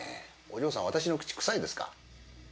お嬢さん私の口臭いですか？